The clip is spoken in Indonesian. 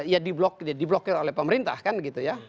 ya di blokir oleh pemerintah kan gitu ya